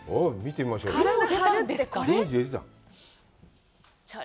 見てみましょうよ。